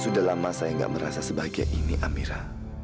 sudah lama saya gak merasa sebahagia ini amira